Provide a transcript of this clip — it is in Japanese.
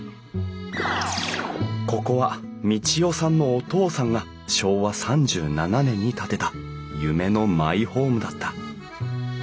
ここは道代さんのお父さんが昭和３７年に建てた夢のマイホームだった。